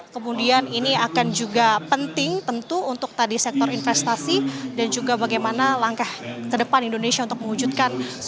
kemudian ini akan juga penting tentu untuk tadi sektor investasi dan juga bagaimana langkah ke depan indonesia untuk mewujudkan